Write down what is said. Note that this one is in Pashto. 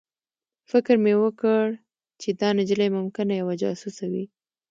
فکر مې وکړ چې دا نجلۍ ممکنه یوه جاسوسه وي